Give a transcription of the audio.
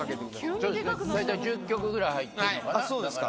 大体１０曲ぐらい入ってるのそうですか。